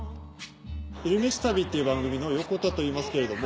「昼めし旅」っていう番組の横田といいますけれども。